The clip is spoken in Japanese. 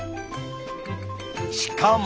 しかも。